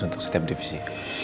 untuk setiap divisi